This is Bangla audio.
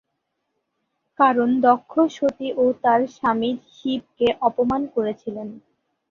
কারণ দক্ষ সতী ও তার স্বামী শিবকে অপমান করেছিলেন।